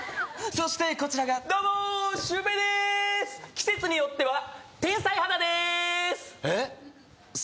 そしてこちらがどうもシュウペイでーす季節によっては天才肌でーすえっそうなの？